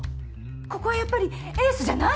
ここはやっぱりエースじゃない？